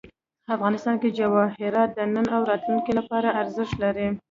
افغانستان کې جواهرات د نن او راتلونکي لپاره ارزښت لري.